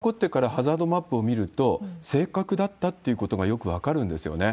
最近、災害が起こってからハザードマップを見ると、正確だったってことがよく分かるんですよね。